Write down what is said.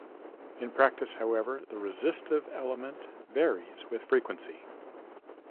In practice however the resistive element varies with frequency.